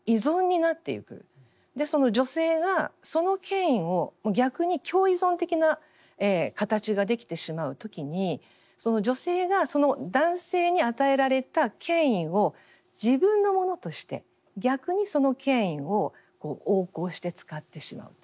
その女性がその権威を逆に共依存的な形ができてしまう時に女性が男性に与えられた権威を自分のものとして逆にその権威を横行して使ってしまうと。